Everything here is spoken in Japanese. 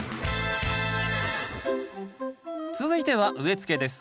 続いては植え付けです。